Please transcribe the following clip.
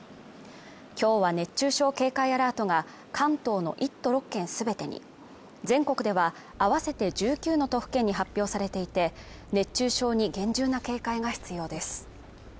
今日は熱中症警戒アラートが関東の１都６県すべてに全国では合わせて１９の都府県に発表されていて熱中症に厳重な警戒が必要です